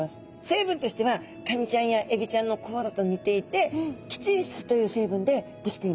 成分としてはカニちゃんやエビちゃんのこうらと似ていてキチン質という成分でできています。